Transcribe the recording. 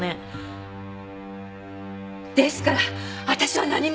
ですから私は何も。